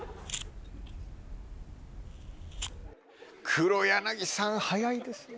黒柳さん早いですね。